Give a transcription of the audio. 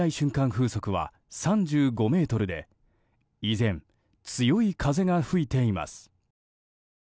風速は３５メートルで依然、強い風が吹いています。